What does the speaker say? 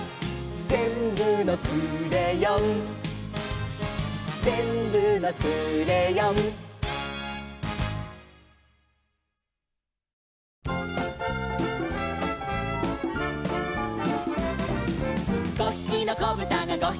「ぜんぶのクレヨン」「ぜんぶのクレヨン」「５ひきのこぶたが５ひきのこぶたが」